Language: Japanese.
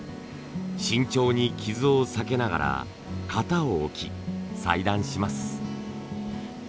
慎重に傷を避けながら型を置き裁断します。